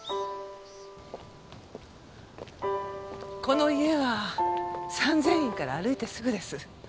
この家は三千院から歩いてすぐです。